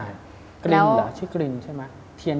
กรินเหรอชื่อกรินใช่ไหม